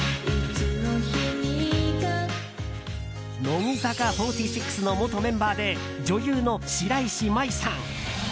乃木坂４６の元メンバーで女優の白石麻衣さん。